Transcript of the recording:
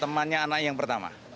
temannya anak yang pertama